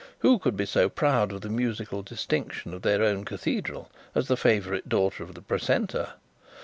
Who could be so proud of the musical distinction of their own cathedral as the favourite daughter of the precentor?